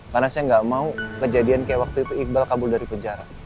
karena saya nggak mau kejadian kayak waktu itu iqbal kabur dari penjara